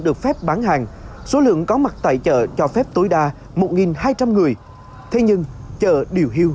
được phép bán hàng số lượng có mặt tại chợ cho phép tối đa một hai trăm linh người thế nhưng chợ điều hưu